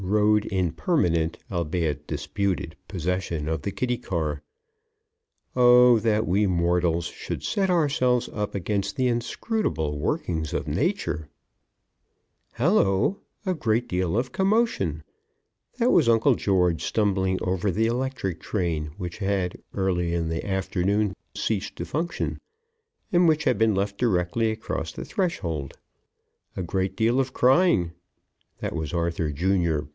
rode in permanent, albeit disputed, possession of the kiddie car. Oh, that we mortals should set ourselves up against the inscrutable workings of Nature! [Illustration: "Hallo! A great deal of commotion!"] Hallo! A great deal of commotion! That was Uncle George stumbling over the electric train, which had early in the afternoon ceased to function and which had been left directly across the threshold. A great deal of crying! That was Arthur, Jr.